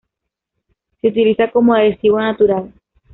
Se utiliza como adhesivo natural.